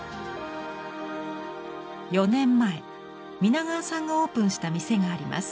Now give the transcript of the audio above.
４年前皆川さんがオープンした店があります。